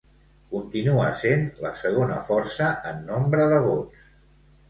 Continua sent la segona força en nombre de vots.